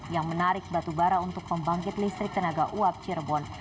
yang menarik batubara untuk pembangkit listrik tenaga uap cirebon